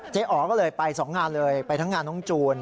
อ๋อก็เลยไป๒งานเลยไปทั้งงานน้องจูน